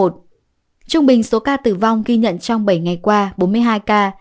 trung bình số ca tử vong ghi nhận trong bảy ngày qua bốn mươi hai ca